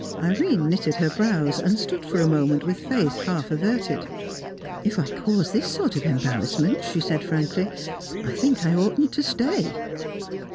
Irene knitted her brows, and stood for a moment with face half averted. "If I cause this sort of embarrassment," she said frankly, "I think I oughtn't to stay."